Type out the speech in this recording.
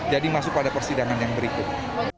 jadi masuk pada persidangan yang berikut